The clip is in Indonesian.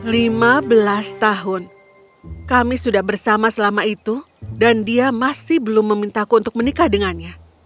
lima belas tahun kami sudah bersama selama itu dan dia masih belum memintaku untuk menikah dengannya